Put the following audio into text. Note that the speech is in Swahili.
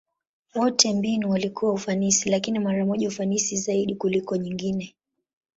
Wote mbinu walikuwa ufanisi, lakini mara moja ufanisi zaidi kuliko nyingine.